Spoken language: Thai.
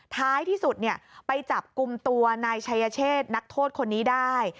ท้ายที่สุดไปจับกลุ่มตัวนายชัยเชษนักโทษคนนี้ได้